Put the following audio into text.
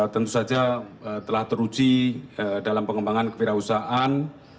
tentu saja telah teruji dalam pengembangan kewirausahaan